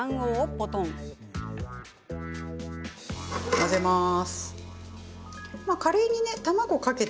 混ぜまーす。